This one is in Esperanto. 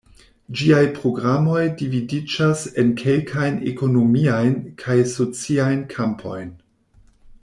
Ĝiaj programoj dividiĝas en kelkajn ekonomiajn kaj sociajn kampojn.